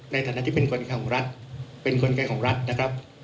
ในฐานะที่เป็นคนขายของรัฐเป็นกลไกของรัฐนะครับ